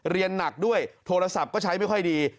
เรียนหนักด้วยโทรศัพท์ก็ใช้ไม่ค่อยดี